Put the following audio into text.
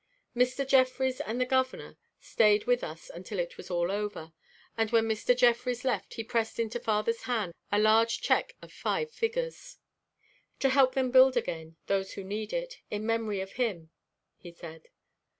Mr. Jeffries and the Governor stayed with us until it was all over, and when Mr. Jeffries left he pressed into father's hand a large check of five figures. "To help them build again, those who need it, in memory of him," he said.